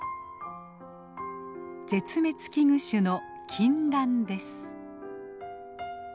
絶滅危惧種のキンランです。